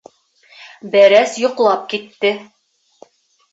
Бәрәс йоҡлап китте...